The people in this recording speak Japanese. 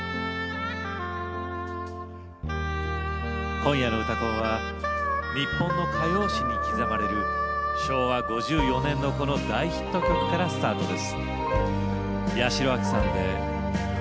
今夜の「うたコン」は日本の歌謡史に刻まれる昭和５４年のこの大ヒット曲からスタートです。